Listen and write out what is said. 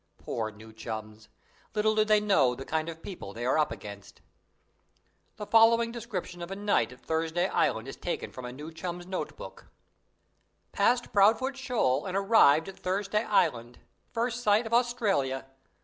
Poor new chums! Little do they know the kind of people they are up against. The following description of a night at Thursday Island is taken from a new chum's note book: "Passed Proudfoot shoal and arrived at Thursday Island. First sight of Australia.